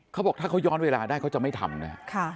เขาบอกถ้าเขาย้อนเวลาได้เขาจะไม่ทำนะครับ